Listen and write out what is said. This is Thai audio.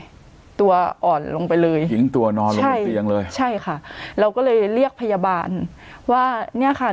ตัวอ่อนลงไปเลยทิ้งตัวนอนลงบนเตียงเลยใช่ค่ะเราก็เลยเรียกพยาบาลว่าเนี่ยค่ะ